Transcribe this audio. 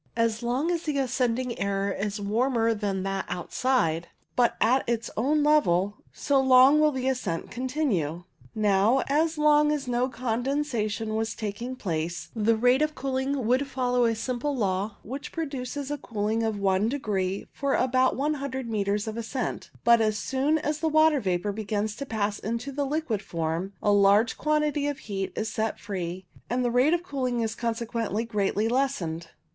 As long as the ascending air is warmer than that outside, but at its own level, so long will ascent continue. Now, as long as no condensation was taking place, the rate of cooling would follow a simple law which produces a cooling of i degree for about lOO metres of ascent ; but as soon as water vapour begins to pass into the liquid form, a large quantity of heat is set free, and the rate of cooling is consequently greatly lessened.